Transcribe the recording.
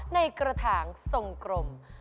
ในกระถางทรงกลม